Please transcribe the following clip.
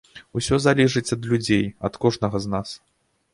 Усё залежыць ад людзей, ад кожнага з нас.